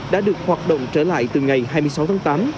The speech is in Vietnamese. đã được hoạt động trở lại từ ngày hai mươi sáu tháng tám